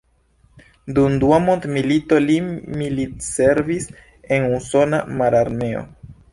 Dum Dua Mondmilito li militservis en usona mararmeo.